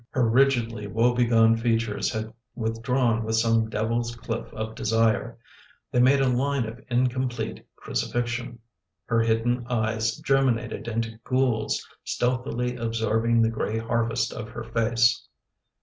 Her rigidly w o ebego n e features had withdrawn from some devil's cfiff of desire; they made a line of incomplete umifnion Her hidden eyes germinated into ghouls stealthily absorbing the gray harvest of her face.